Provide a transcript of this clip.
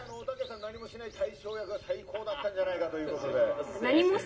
「何もしない大将役が最高だったんじゃないかということで」。